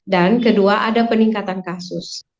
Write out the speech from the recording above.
dan kedua ada peningkatan kasus